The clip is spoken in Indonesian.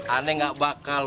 aneh gak bakal